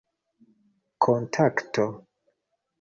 kontakto